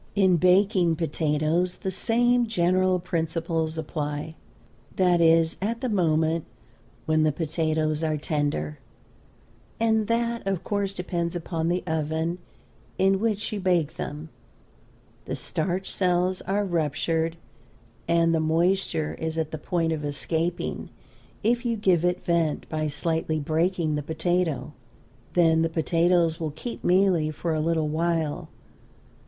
In baking potatoes, the same general principles apply. That is, at the moment when the potatoes are tender and that of course depends upon the oven in which you bake them the starch cells are ruptured and the moisture is at the point of escaping if you give it vent by slightly breaking the potato, then the potatoes will keep mealy for a little while.